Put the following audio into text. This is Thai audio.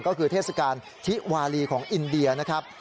ก็คือเทศกาลทิวาลีของอินเดียนะครับ